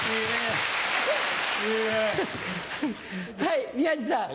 はい宮治さん。